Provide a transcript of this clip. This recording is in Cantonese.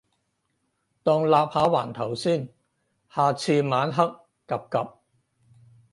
當立下環頭先，下次晚黑 𥄫𥄫